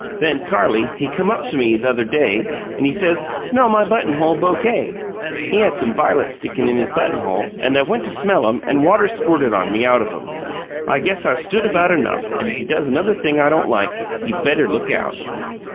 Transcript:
Then, Carlie, he cum up to me, th' other day, and he says, 'Smell my buttonhole bokay.' He had some vi'lets stickin' in his buttonhole, and I went to smell 'em and water squirted on me out of 'em. I guess I've stood about enough, and if he does another thing I don't like, he better look out!"